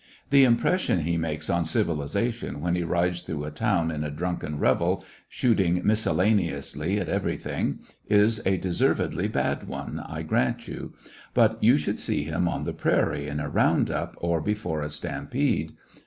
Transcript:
The impression he makes on civili zation when he rides through a town in a drunken revel, shooting miscellaneously at everything, is a deservedly bad one, I grant you ; but you should see him on the prairie in a round up or before a stampede.